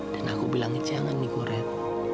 dan aku bilang jangan nih kuret